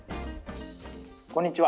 こんにちは。